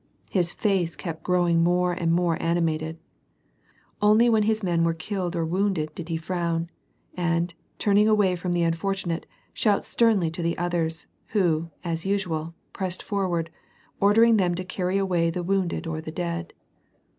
His face kept growing more and more animated. Only when his men were killed or wounded did he frown, and, turning away from the unfortu nate, shout sternly to the others, who, as usual, i)ressed forward, ordering them to carry away the wounded or the detid.